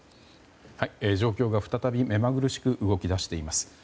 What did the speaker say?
状況が再び目まぐるしく動き出しています。